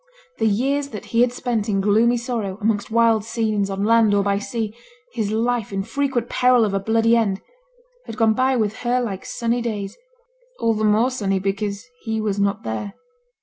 The years that he had spent in gloomy sorrow, amongst wild scenes, on land or by sea, his life in frequent peril of a bloody end, had gone by with her like sunny days; all the more sunny because he was not there.